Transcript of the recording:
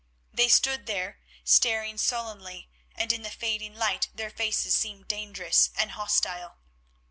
They stood there staring sullenly, and in the fading light their faces seemed dangerous and hostile.